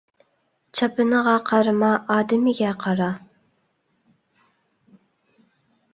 چاپىنىغا قارىما، ئادىمىگە قارا